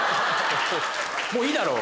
もういいだろ！